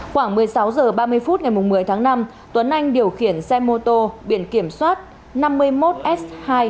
khoảng một mươi sáu h ba mươi phút ngày một mươi tháng năm tuấn anh điều khiển xe mô tô biển kiểm soát năm mươi một s hai một nghìn sáu trăm tám mươi